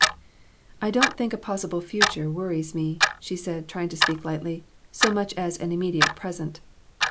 "I don't think a possible future worries me," she said, trying to speak lightly, "so much as an immediate present.